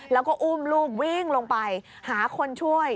แล้วก็อุ้มลูกวิ่งลงไปหาคนช่วย